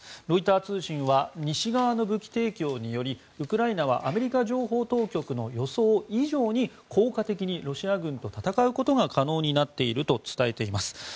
ロイター通信は西側の武器提供によりウクライナはアメリカ情報当局の予想以上に効果的にロシア軍と戦うことが可能になっていると伝えています。